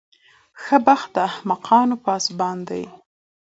ښه بخت د احمقانو پاسبان دی.